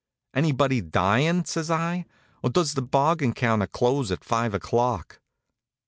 "Anybody dyin'," says I, "or does the bargain counter close at five o'clock?"